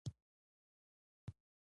د امنیتي پېښو په صورت کې دې ته اړتیا نشته.